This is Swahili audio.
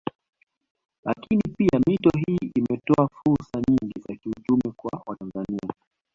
Lakini pia mito hii imetoa fursa nyingi za kiuchumi kwa watanzania